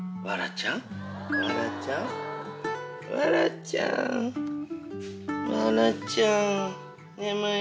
わらちゃんわらちゃん。